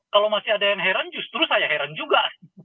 kalau masih ada yang heran justru saya heran juga